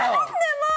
もう！